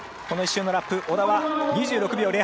この１周のラップ小田は２６秒０８。